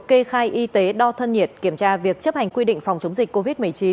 kê khai y tế đo thân nhiệt kiểm tra việc chấp hành quy định phòng chống dịch covid một mươi chín